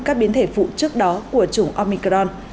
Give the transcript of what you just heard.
các biến thể phụ trước đó của chủng omicron